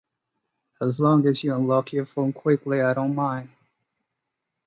As long as you unlock your phone quickly I don’t mind.